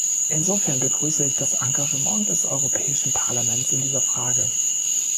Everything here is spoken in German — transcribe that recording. Insofern begrüße ich das Engagement des Europäischen Parlaments in dieser Frage.